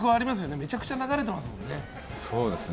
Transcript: めちゃくちゃ流れてますもんね。